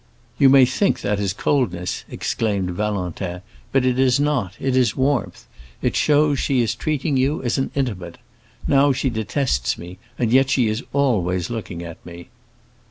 "You may think that is coldness," exclaimed Valentin; "but it is not, it is warmth. It shows she is treating you as an intimate. Now she detests me, and yet she is always looking at me."